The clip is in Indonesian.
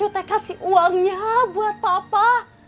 cucu teh kasih uangnya buat papa